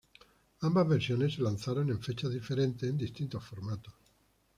Ambas versiones se lanzaron en fechas diferentes en distintos formatos.